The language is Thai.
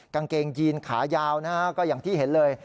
กางเกงยีนขายาวนะฮะก็อย่างที่เห็นเลย